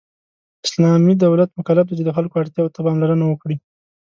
اسلامی دولت مکلف دی چې د خلکو اړتیاوو ته پاملرنه وکړي .